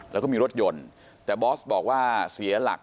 แล้วก็มีรถยนต์แต่บอสบอกว่าเสียหลัก